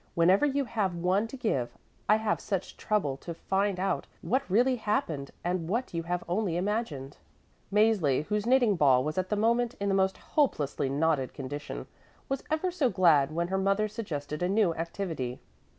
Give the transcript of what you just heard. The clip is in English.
Whenever you have one to give, I have such trouble to find out what really happened and what you have only imagined." Mäzli, whose knitting ball was at that moment in the most hopelessly knotted condition, was ever so glad when her mother suggested a new activity.